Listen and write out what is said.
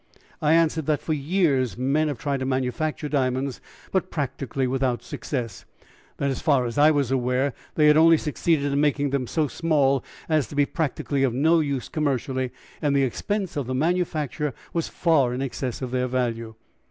I answered that for years men had tried to manufacture diamonds, but practically without success; that as far as I was aware they had only succeeded in making them so small as to be practically of no use commercially, and the expense of the manufacture was far in excess of their value.